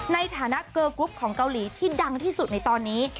ในฐานะเกอร์กรุ๊ปของเกาหลีที่ดังที่สุดในตอนนี้